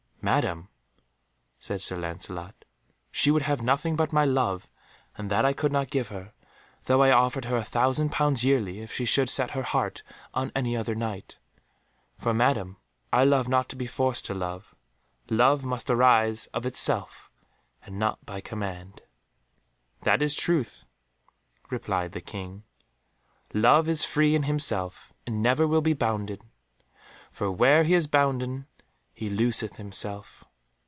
"Madam," said Sir Lancelot, "she would have nothing but my love, and that I could not give her, though I offered her a thousand pounds yearly if she should set her heart on any other Knight. For, Madam, I love not to be forced to love; love must arise of itself, and not by command." "That is truth," replied the King, "love is free in himself, and never will be bounden; for where he is bounden he looseth himself.